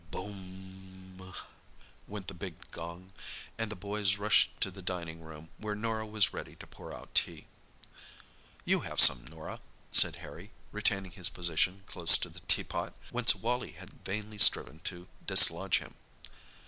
"Boom m m!" went the big gong, and the boys rushed to the dining room, where Norah was ready to pour out tea. "You have some, Norah," said Harry, retaining his position close to the teapot, whence Wally had vainly striven to dislodge him.